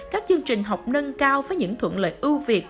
các chương trình học nâng cao với những thuận lợi ưu việt